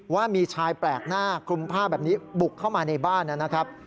ว่ามีชายแปลกหน้าคลุมผ้าแบบนี้บุกเข้ามาในบ้านนะครับ